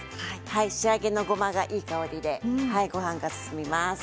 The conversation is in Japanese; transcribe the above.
仕上げのごまがいい香りでごはんが進みます。